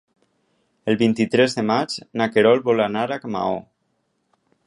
El vint-i-tres de maig na Queralt vol anar a Maó.